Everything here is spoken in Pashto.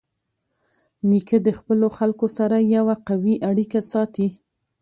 نیکه د خپلو خلکو سره یوه قوي اړیکه ساتي.